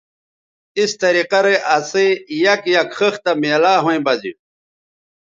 اِس طریقہ رے اسئ یک یک خِختہ میلاو ھویں بہ زینݜ